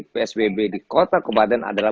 psbb di kota kebadan adalah